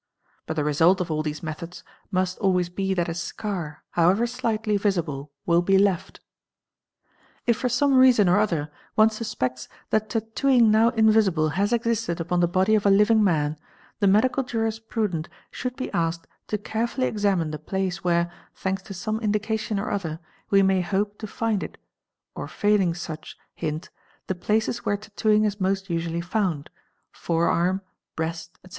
But the result of all these methods must always be that a scar however slightly visible will be left. 7. If for some reason or other one suspects that tattooing now invisible has existed upon the body of a living man, the medical jurisprudent should be asked to carefully examine the place where, thanks to some indication © or other, we may hope to find it or failing such hint the places where tattooing is most usually found (forearm, breast etc.)